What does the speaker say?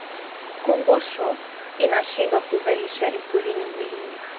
kongosho inashindwa kuzalisha insulini mwilini